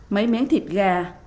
mấy miếng thịt gà